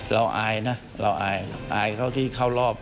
เราอายนะเราอายเข้าที่เข้ารอบ